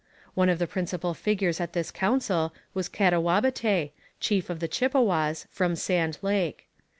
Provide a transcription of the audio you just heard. One of the principal figures at this council was Katawabetay, chief of the Chippewas, from Sand Lake.